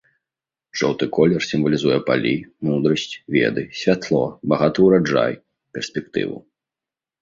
Жоўты колер сімвалізуе палі, мудрасць, веды, святло, багаты ураджай, перспектыву.